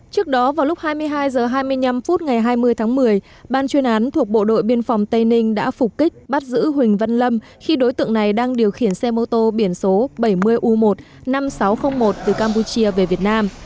trước đó vào lúc hai mươi hai h hai mươi năm phút ngày hai mươi tháng một mươi ban chuyên án thuộc bộ đội biên phòng tây ninh đã phục kích bắt giữ huỳnh văn lâm khi đối tượng này đang điều khiển xe mô tô biển số bảy mươi u một mươi năm nghìn sáu trăm linh một từ campuchia về việt nam